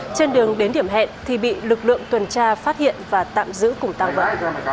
trên đường đến điểm hẹn thì bị lực lượng tuần tra phát hiện và tạm giữ cùng tăng vật